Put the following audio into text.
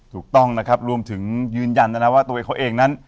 ถูกต้องนะครับรวมถึงยืนยันนะนะว่าตัวเองเขาเองนั้น